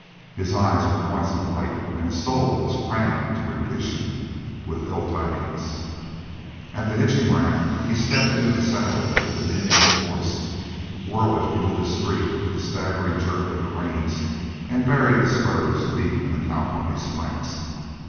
His eyes were points of light and his soul was crammed to repletion with ill tidings. At the hitching rack he stepped into the saddle of a diminutive horse, whirled it into the street with a staggering jerk of the reins, and buried the spurs deep in the cow pony's flanks.